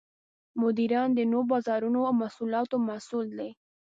مدیران د نوو بازارونو او محصولاتو مسوول دي.